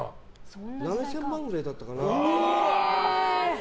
７０００万くらいだったかな。